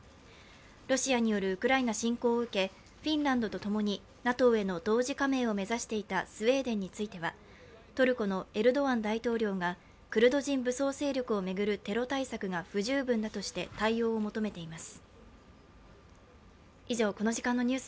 ロシアによるウクライナ侵攻を受け、フィンランドとともにＮＡＴＯへの同時加盟を目指していたスウェーデンについてはトルコのエルドアン大統領がクルド人武装勢力を巡るテロ対策が不十分だとして対応を求めています。